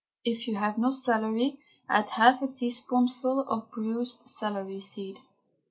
If you have no celery add half a teaspoonful of bruised celery seed.